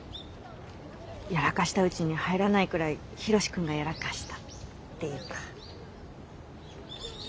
やらかしたうちに入らないくらいヒロシ君がやらかしたっていうか。